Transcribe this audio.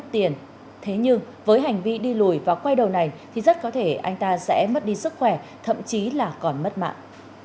thế nhưng với hành vi đi lùi và quay đầu này thì rất có thể anh ta sẽ mất đi sức khỏe thậm chí là còn mất mạng